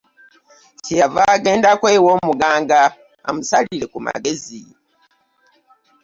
Kye yava agendako ew’omuganga amusalire ku magezi.